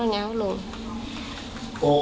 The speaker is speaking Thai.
ค่ะนี่ไง